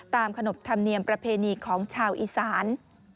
ขนบธรรมเนียมประเพณีของชาวอีสาน